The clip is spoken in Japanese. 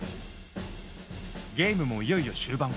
ゲームもいよいよ終盤。